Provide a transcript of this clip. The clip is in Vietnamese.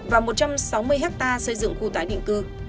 và một trăm sáu mươi hectare xây dựng khu tái định cư